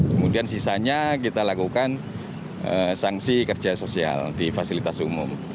kemudian sisanya kita lakukan sanksi kerja sosial di fasilitas umum